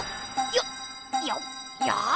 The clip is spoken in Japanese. よっ！